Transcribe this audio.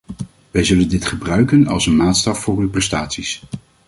Wij zullen dit gebruiken als een maatstaf voor uw prestaties.